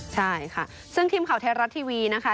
ใช่ค่ะซึ่งทีมข่าวไทยรัฐทีวีนะคะ